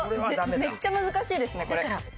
めっちゃ難しいですねこれ。